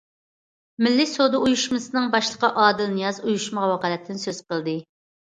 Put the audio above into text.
مىللىي سودا ئۇيۇشمىسىنىڭ باشلىقى ئادىل نىياز ئۇيۇشمىغا ۋاكالىتەن سۆز قىلدى.